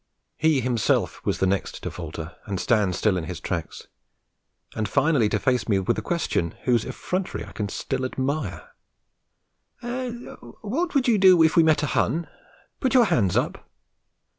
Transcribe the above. He himself was the next to falter and stand still in his tracks, and finally to face me with a question whose effrontery I can still admire: 'What would you do if we met a Hun? Put your hands up?'